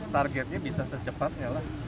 targetnya bisa secepatnya lah